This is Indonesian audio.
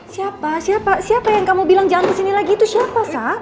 siapa siapa yang kamu bilang jangan kesini lagi itu siapa sah